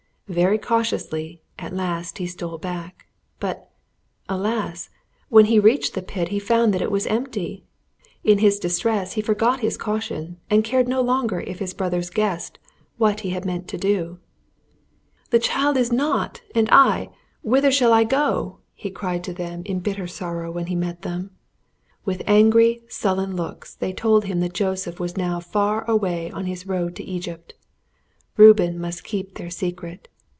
Very cautiously at last he stole back. But, alas! when he reached the pit he found that it was empty. In his distress he forgot his caution, and cared no longer if his brothers guessed what he had meant to do. "The child is not, and I, whither shall I go?" he cried to them in bitter sorrow when he met them. With angry, sullen looks they told him that Joseph was now far away on his road to Egypt. Reuben must keep their secret.